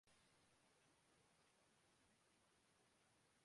گے اور ایسا ہی ہوا۔